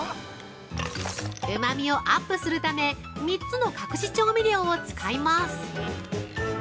うまみをアップするため３つの隠し調味料を使います。